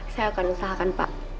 saya akan usahakan pak